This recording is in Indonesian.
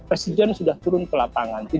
presiden sudah turun ke lapangan